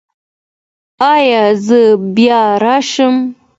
ایا زه بیا راشم؟